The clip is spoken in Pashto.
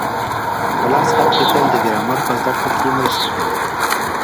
په لاس خط لیکل د ګرامر په زده کړه کي مرسته کوي.